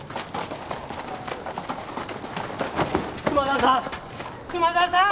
熊沢さん！熊沢さん！